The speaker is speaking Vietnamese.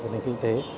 của nền kinh tế